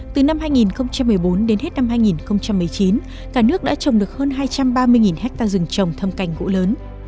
từ năm hai nghìn một mươi bốn đến hết năm hai nghìn một mươi chín cả nước đã trồng được hơn hai trăm ba mươi ha rừng trồng thâm cành gỗ lớn